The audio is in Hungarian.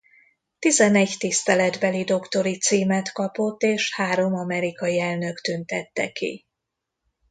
Tizenegy tiszteletbeli doktori címet kapott és három amerikai elnök tüntette ki.